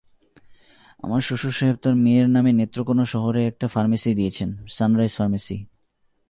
আমার শ্বশুর সাহেব তাঁর মেয়ের নামে নেত্রকোণা শহরে একটা ফার্মেসি দিয়েছেন-সানরাইজ ফার্মেসি।